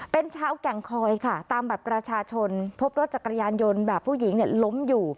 เป็นชาวแก่งคอยค่ะตามบัตรประชาชนพบรถจักรยานยนต์แบบผู้หญิงล้มอยู่